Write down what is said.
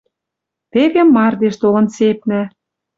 Теве мардеж толын сепнӓ